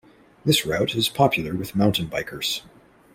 This route is popular with mountain bikers.